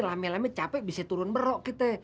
lama lama capek bisa turun berok kita